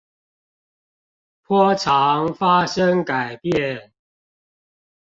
波長發生改變